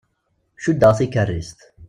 Cuddeɣ tikerrist.